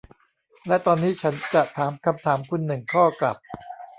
และตอนนี้ฉันจะถามคำถามคุณหนึ่งข้อกลับ